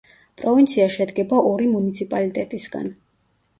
პროვინცია შედგება ორი მუნიციპალიტეტისგან.